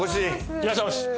いらっしゃいませ！